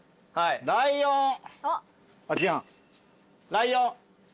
ライオン。